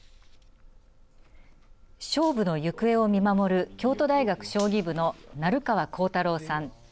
勝負の行方を見守る京都大学将棋部の生川康太朗さん。